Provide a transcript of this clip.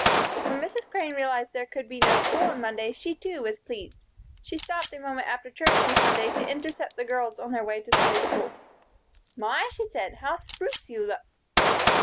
When Mrs. Crane realized that there could be no school on Monday, she too was pleased. She stopped a moment after church on Sunday to intercept the girls on their way to Sunday School. "My!" said she. "How spruce you look!"